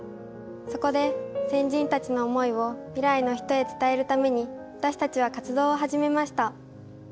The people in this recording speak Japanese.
そこで先人たちの思いを未来の人へ伝えるために私たちは活動を始めました。